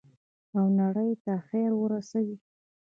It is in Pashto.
او نړۍ ته خیر ورسوي.